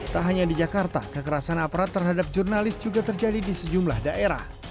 tak hanya di jakarta kekerasan aparat terhadap jurnalis juga terjadi di sejumlah daerah